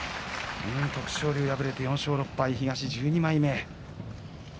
徳勝龍、敗れて４勝６敗東１２枚目。